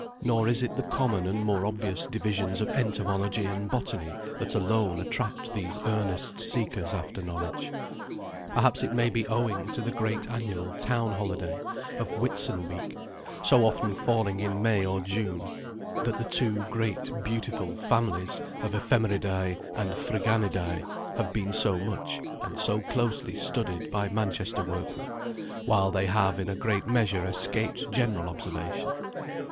Nor is it the common and more obvious divisions of Entomology and Botany that alone attract these earnest seekers after knowledge. Perhaps it may be owing to the great annual town holiday of Whitsun week so often falling in May or June that the two great, beautiful families of Ephemeridæ and Phryganidæ have been so much and so closely studied by Manchester workmen, while they have in a great measure escaped general observation.